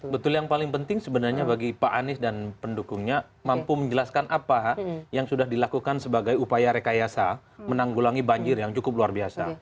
betul yang paling penting sebenarnya bagi pak anies dan pendukungnya mampu menjelaskan apa yang sudah dilakukan sebagai upaya rekayasa menanggulangi banjir yang cukup luar biasa